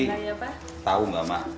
tapi tau gak ma